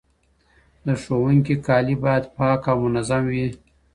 د ښوونکي کالي باید پاک او منظم وي.